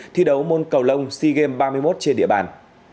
thi đấu môn cầu lông sea games ba mươi một trên địa bàn